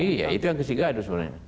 iya itu yang kesigaduh sebenarnya